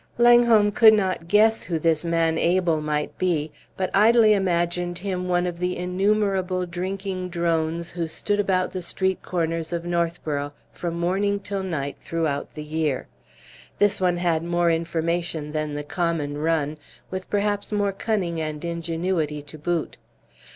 Langholm could not guess who this man Abel might be, but idly imagined him one of the innumerable drinking drones who stood about the street corners of Northborough from morning till night throughout the year. This one had more information than the common run, with perhaps more cunning and ingenuity to boot.